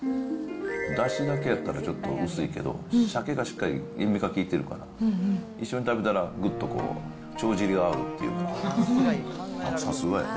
だしだけやったらちょっと薄いけど、さけがしっかり塩味が効いてるから、一緒に食べたらぐっと帳尻が合うっていうか。